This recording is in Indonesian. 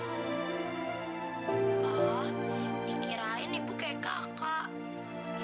dikirain ibu kayak kakak